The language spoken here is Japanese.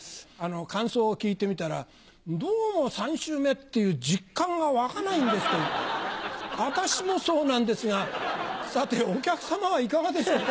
感想を聞いてみたら「どうも３週目っていう実感が湧かないんです」と私もそうなんですがさてお客さまはいかがでしょうか？